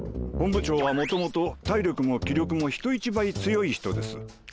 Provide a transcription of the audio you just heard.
本部長はもともと体力も気力も人一倍強い人です。